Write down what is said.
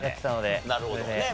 なるほどね